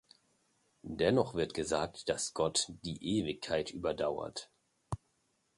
Dennoch wird gesagt, dass Gott „die Ewigkeit überdauert“.